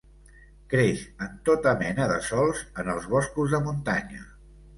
Creix en tota mena de sòls, en els boscos de muntanya.